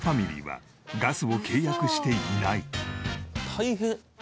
大変。